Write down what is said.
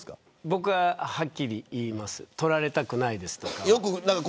僕ははっきり言います撮られたくないですと。